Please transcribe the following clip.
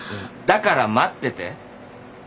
だから待ってて。